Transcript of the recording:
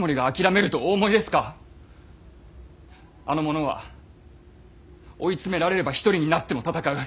あの者は追い詰められれば一人になっても戦う。